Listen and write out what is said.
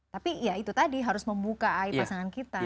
tapi ya itu tadi harus membuka ai pasangan kita